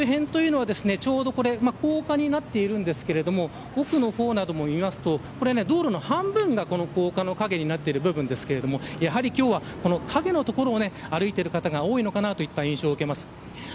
やはりこの駅周辺というのはちょうど高架になっていますが奥の方を見ると道路の半分が高架の影になっている部分ですがやはり今日は影の所を歩いている方が多いという印象を受けます。